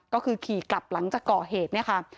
ก็คือขี่กลับหลังจากก่อเหตุเนี่ยค่ะ